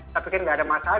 tapi kan nggak ada masalah